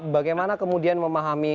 bagaimana kemudian memahami